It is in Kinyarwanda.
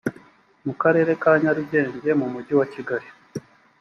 mu karere ka nyarugenge mu mujyi wa kigali